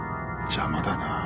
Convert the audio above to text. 邪魔だなぁ。